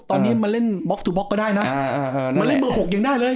ตอนนี้มันเล่นบ็อกซ์ทูบบ็อกซ์ก็ได้น่ะอ่านั่นแหละมันเล่นเบอร์หกยังได้เลย